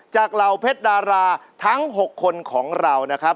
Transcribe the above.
เหล่าเพชรดาราทั้ง๖คนของเรานะครับ